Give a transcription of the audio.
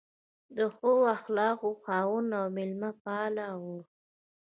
د ښو اخلاقو خاوند او مېلمه پال و.